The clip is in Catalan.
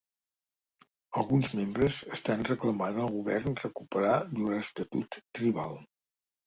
Alguns membres estan reclamant al govern recuperar llur estatut tribal.